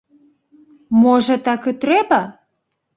Можа, так і трэба?